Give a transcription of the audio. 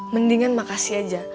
mendingan makasih aja